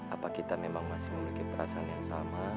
apa kita memang masih memiliki perasaan yang sama